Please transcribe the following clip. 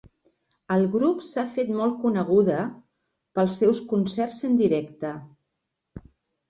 El grup s'ha fet molt coneguda pels seus concerts en directe.